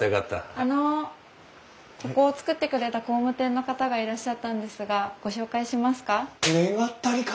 あのここを造ってくれた工務店の方がいらっしゃったんですがご紹介しますか？